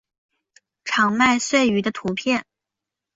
长麦穗鱼的图片